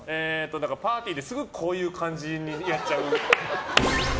パーティーですぐこういう感じにやっちゃう。